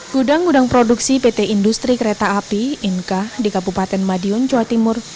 gudang gudang produksi pt industri kereta api inka di kabupaten madiun jawa timur